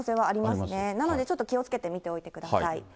ありますね、なのでちょっと気をつけて見ておいてください。